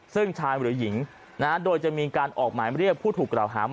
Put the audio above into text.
ซึ่งชายหรือหญิงโดยจะมีการออกหมายเรียกผู้ถูกกล่าวหามา